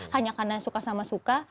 hanya karena suka sama suka